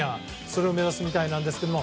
それを目指すみたいですけれど。